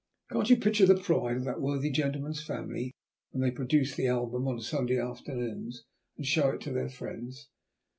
Can't you picture the pride of that worthy gentleman's family when they produce the album on Sunday afternoons and show it to their friends?